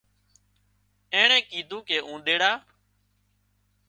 اينڻيئي ڪيڌون ڪي اونۮيڙا